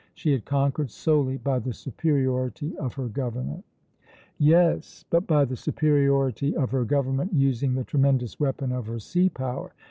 She had conquered solely by the superiority of her government." Yes! but by the superiority of her government using the tremendous weapon of her sea power.